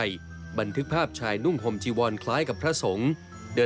ได้เงินสดไปกว่าสองแสนบาทติดตามพร้อมกับหลายรายการที่เกิดขโมยเงินบริจาคที่วัดแห่งหนึ่ง